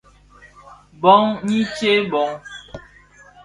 Bông i tséé bông.